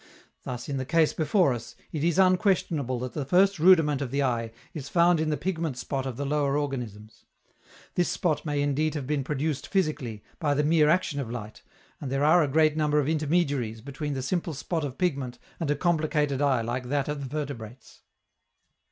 Thus, in the case before us, it is unquestionable that the first rudiment of the eye is found in the pigment spot of the lower organisms; this spot may indeed have been produced physically, by the mere action of light, and there are a great number of intermediaries between the simple spot of pigment and a complicated eye like that of the vertebrates.